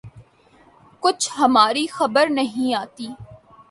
کچھ ہماری خبر نہیں آتی